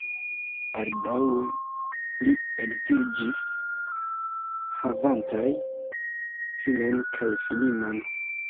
Baldaŭe li edziĝis, havantaj filon kaj filinon.